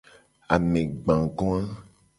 Amegbagoa.